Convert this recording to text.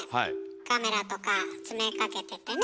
カメラとか詰めかけててね。